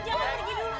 jangan pergi dulu